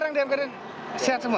kondisi sekarang sihat semua